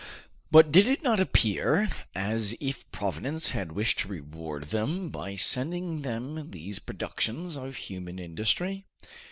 But did it not appear as if Providence had wished to reward them by sending them these productions of human industry?